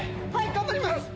頑張ります！